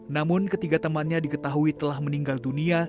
namun ketiga temannya diketahui telah meninggal dunia